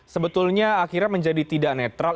sebetulnya akhirnya menjadi tidak netral